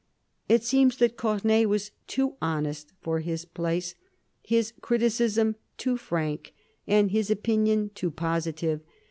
It seems that Corneille was too honest for his place; his criticism too frank and his opinion too positive.